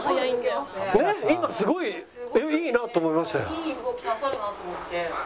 今すごいいいなと思いましたよ。